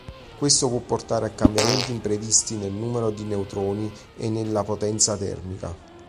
Questo può portare a cambiamenti imprevisti nel numero di neutroni e nella potenza termica.